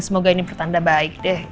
semoga ini pertanda baik deh